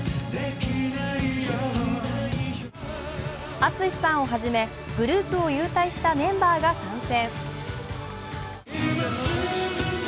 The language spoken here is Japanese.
ＡＴＳＵＳＨＩさんをはじめグループを勇退したメンバーが参戦。